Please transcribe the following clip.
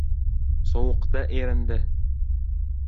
Sovuqda erindi.